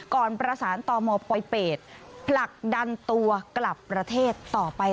ก่อนประสานต่อมปลอยเปรตผลักดันตัวกลับประเทศต่อไป